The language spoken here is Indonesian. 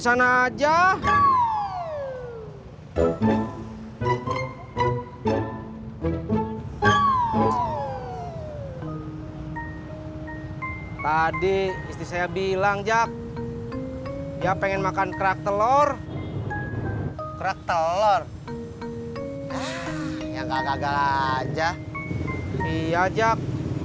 hai tadi istri saya bilang jak ya pengen makan kerak telur kerak telur yang gagal aja iajak